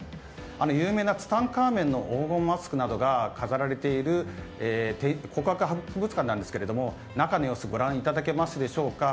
あの有名な、ツタンカーメンの黄金マスクなどが飾られている考古学博物館なんですが中の様子をご覧いただけますでしょうか。